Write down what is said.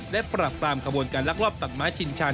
และปรับปรามขบวนการลักลอบตัดไม้ชินชัน